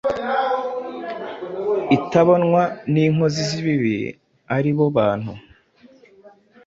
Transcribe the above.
itabonwa n’inkozi z’ibibi aribo bantu